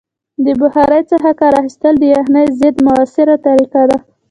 د بخارۍ څخه کار اخیستل د یخنۍ ضد مؤثره طریقه ده.